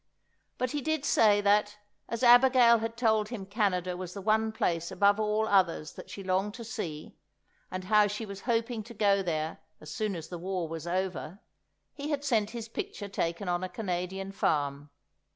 But he did say that, as Abigail had told him Canada was the one place above all others that she longed to see, and how she was hoping to go there as soon as the war was over, he had sent his picture taken on a Canadian farm.